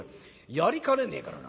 やりかねねえからな。